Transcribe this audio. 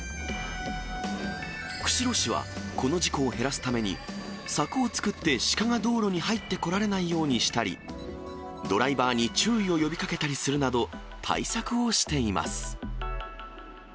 釧路市はこの事故を減らすために、柵を作ってシカが道路に入ってこられないようにしたり、ドライバーに注意を呼びかけたりするなど、対策をしています。